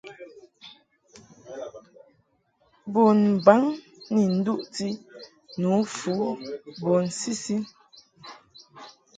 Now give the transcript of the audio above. Bunbaŋ ni nduʼti nǔfu bun sisi.